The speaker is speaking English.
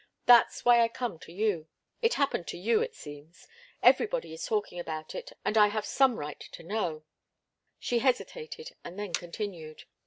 "That's why I come to you. It happened to you, it seems. Everybody is talking about it, and I have some right to know " She hesitated and then continued.